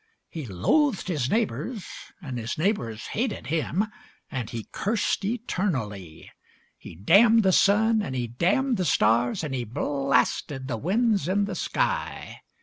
He loathed his neighbours, and his neighbours hated him, And he cursed eternally. He damned the sun, and he damned the stars, And he blasted the winds in the sky.